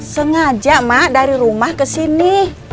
sengaja mah dari rumah kesini